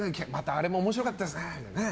あれも面白かったですね。